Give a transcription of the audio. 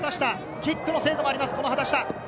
キックの精度もあります。